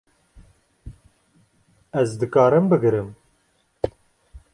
Ez dikarim bigirim